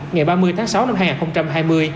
ngày ba mươi tháng sáu năm hai nghìn hai mươi